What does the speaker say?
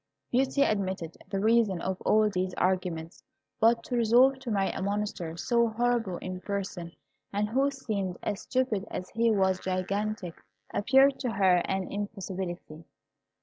Beauty admitted the reason of all these arguments; but to resolve to marry a monster so horrible in person and who seemed as stupid as he was gigantic, appeared to her an impossibility.